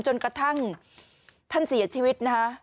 จนกระทั่งท่านเสียชีวิตนะคะ